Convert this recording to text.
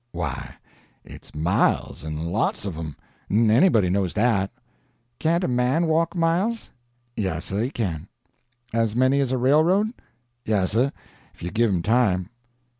"Why, it's miles, and lots of 'em—anybody knows dat." "Can't a man walk miles?" "Yassir, he kin." "As many as a railroad?" "Yassir, if you give him time."